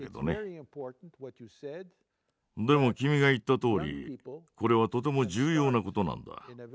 でも君が言ったとおりこれはとても重要な事なんだ。